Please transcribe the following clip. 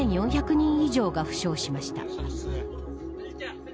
人以上が負傷しました。